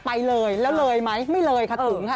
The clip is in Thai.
ไปเลยแล้วเลยไหมไม่เลยค่ะถึงค่ะ